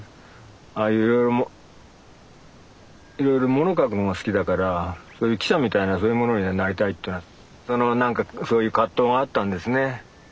ああいういろいろいろいろ物書くのが好きだからそういう記者みたいなそういうものになりたいっていうのはその何かそういう葛藤があったんですね。